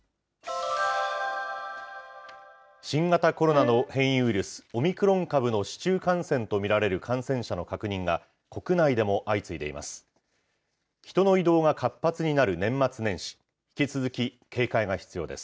新型コロナの変異ウイルス、オミクロン株の市中感染と見られる感染者の確認が、国内でも相次いでいます。